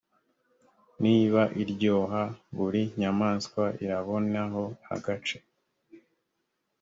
niba iryoha buri nyamaswa irabonaho agace